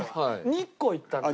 日光行ったんだ。